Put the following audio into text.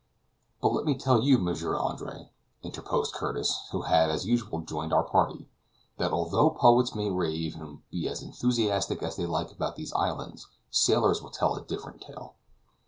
"But let me tell you, M. Andre," interposed Curtis, who had as usual joined our party, "that although poets may rave, and be as enthusiastic as they like about these islands, sailors will tell a different tale.